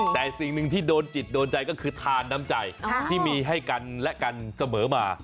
แต่สิ่งหนึ่งที่โดนจิตโดนใจก็คือทานน้ำใจที่มีให้กันและกันเสมอมา